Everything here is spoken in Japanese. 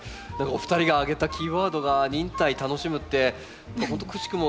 お二人が挙げたキーワードが「忍耐」「楽しむ」ってくしくも